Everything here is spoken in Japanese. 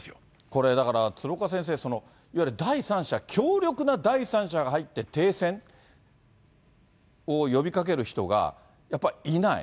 これ、だから鶴岡先生、いわゆる第三者、強力な第三者が入って停戦を呼びかける人がやっぱりいない。